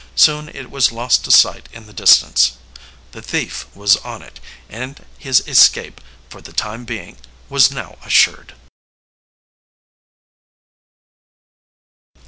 Soon it was lost to sight in the distance. The thief was on it; and his escape, for the time being, was now assured.